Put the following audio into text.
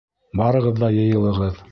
Барығыҙ ҙа йыйылығыҙ!